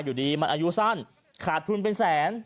อยู่ดีมันอายุสั้นขาดทุนเป็นแสน